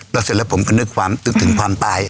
แล้วเสร็จแล้วผมก็นึกถึงความตาย